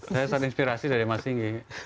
saya sangat inspirasi dari mas singgi